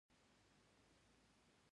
که امید ژوندی وي، نو لارې به پیدا شي.